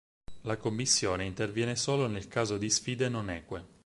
La commissione interviene solo nel caso di sfide non eque.